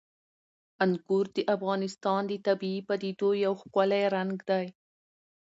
انګور د افغانستان د طبیعي پدیدو یو ښکلی رنګ دی.